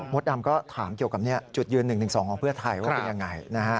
ดำก็ถามเกี่ยวกับจุดยืน๑๑๒ของเพื่อไทยว่าเป็นยังไง